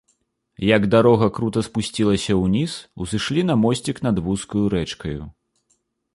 Як дарога крута спусцілася ўніз, узышлі на мосцік над вузкаю рэчкаю.